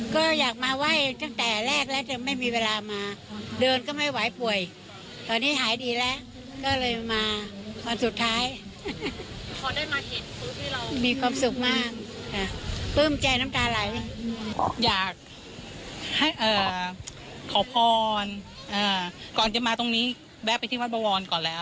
ก่อนจะมาตรงนี้แบ๊บไปที่วัดบะวอนก่อนแล้ว